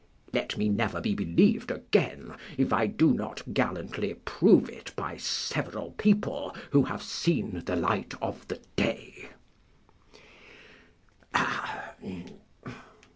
Let me never be believed again, if I do not gallantly prove it by several people who have seen the light of the day.